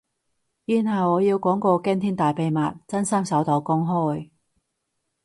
然後我要講個驚天大秘密，真心首度公開